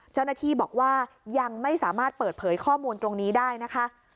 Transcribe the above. เจ้าหน้าที่บอกว่ายังไม่สามารถเปิดเผยข้อมูลตรงนี้ได้นะคะ